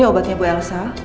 ini obatnya bu elsa